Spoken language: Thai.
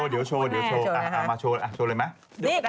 เดี๋ยวโชว์มาโชว์เลยโชว์เลยไหม